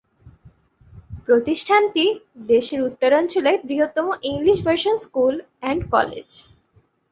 প্রতিষ্ঠানটি দেশের উত্তরাঞ্চলে বৃহত্তম English version school and college.